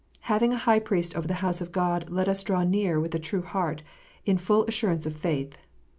"Having an High Priest over the house of God, let us draw near with a true heart, in full assurance of faith."